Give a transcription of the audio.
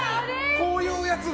こういうやつだ。